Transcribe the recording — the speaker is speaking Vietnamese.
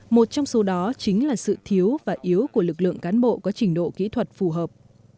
một trong số đó chính là sự thiếu và yếu của lực lượng cán bộ có trình độ kỹ thuật phù hợp